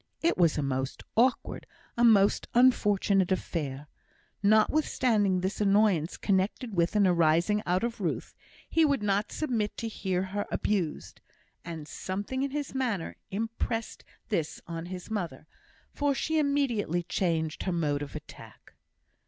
It was a most awkward, a most unfortunate affair. Notwithstanding this annoyance connected with and arising out of Ruth, he would not submit to hear her abused; and something in his manner impressed this on his mother, for she immediately changed her mode of attack.